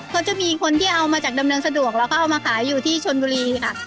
เขาจะมีคนที่เอามาจากดำเนินสะดวกแล้วก็เอามาขายอยู่ที่ชนบุรีค่ะ